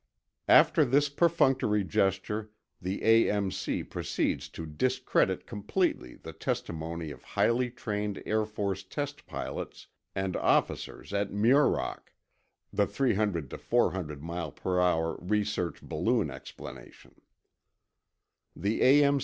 After this perfunctory gesture, the A.M.C. proceeds to discredit completely the testimony of highly trained Air Force test pilots and officers at Muroc. (The 300 400 m.p.h. research balloon explanation.) The A.M.